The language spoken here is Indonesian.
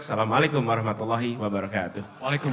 assalamualaikum warahmatullahi wabarakatuh